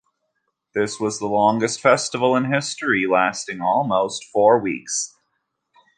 This was the longest Festival in its history, lasting almost four weeks.